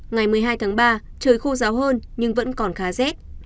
ngày một mươi hai tháng ba trời khô ráo hơn nhưng vẫn còn khá rét